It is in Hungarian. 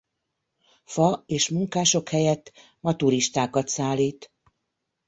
Fa és munkások helyett ma turistákat szállít.